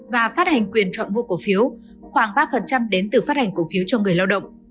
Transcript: và phát hành quyền chọn mua cổ phiếu khoảng ba đến từ phát hành cổ phiếu cho người lao động